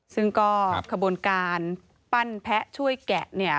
ซึ่งก็ขบวนการปั้นแพะช่วยแกะเนี่ย